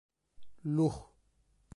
Lugo